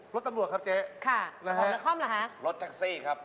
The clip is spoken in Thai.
รถตำรวจครับเจ๊รถทักซี่ครับ